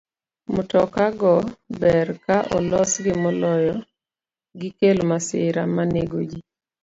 Mtoka go ber ka olosgi moloyo gikel masira ma nego ji.